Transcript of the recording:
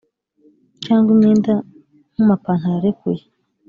cyangwa imyenda nk’amapantalo arekuye